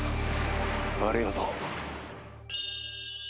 ありがとう。